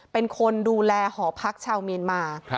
เป็นคนดูแลหอพักชาวเมียนมา